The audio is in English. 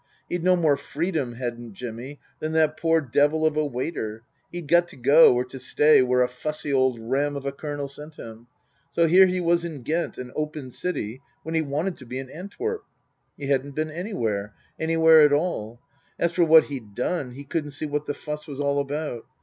He'd no more freedom, hadn't Jimmy, than that poor devil of a waiter. He'd got to go or to stay where a fussy old ram of a Colonel sent him. So here he was in Ghent, an open city, when he wanted to be in Antwerp. He hadn't been anywhere anywhere at all. As for what he'd done, he couldn't see what the fuss was all about.